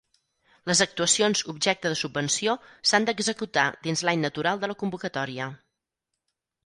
Les actuacions objecte de subvenció s'han d'executar dins l'any natural de la convocatòria.